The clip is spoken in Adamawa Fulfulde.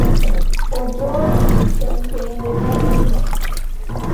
O jooɗi, semteende naŋgi mo.